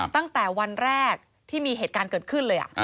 ตั้งแต่วันแรกที่มีเหตุการณ์เกิดขึ้นเลย